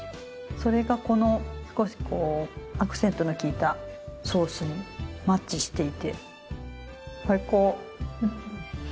それがこの少しこうアクセントのきいたソースにマッチしていて最高。